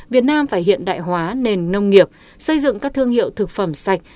việt nam phải hiện đại hóa nền nông nghiệp xây dựng các thương hiệu thực phẩm sạch